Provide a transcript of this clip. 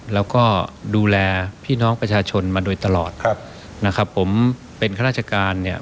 แล้วก็ดูแลพี่น้องประชาชนมาโดยตลอดครับนะครับผมเป็นข้าราชการเนี่ย